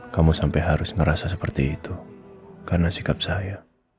kamu sampai harus ngerasa seperti itu karena sikap saya